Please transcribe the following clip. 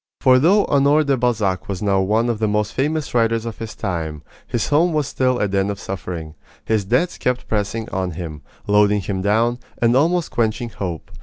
For though Honore de Balzac was now one of the most famous writers of his time, his home was still a den of suffering. His debts kept pressing on him, loading him down, and almost quenching hope.